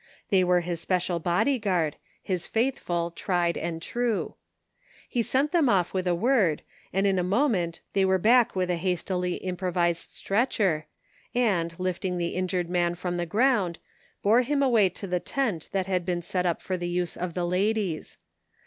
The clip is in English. They were his special bodyguard, his faithful, tried and true. He sent them off with a word,* and in a moment they were back with a hastily improvised stretcher and, lifting the injured man from the ground, bore him away to the tent that had been set up for the use of the ladies.